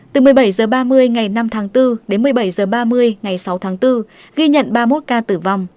từ một mươi bảy h ba mươi ngày năm tháng bốn đến một mươi bảy h ba mươi ngày sáu tháng bốn ghi nhận ba mươi một ca tử vong